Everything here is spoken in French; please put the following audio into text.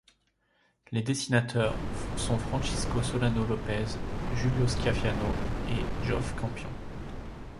Les dessinateurs sont Francisco Solano López, Julio Schiaffino et Geoff Campion.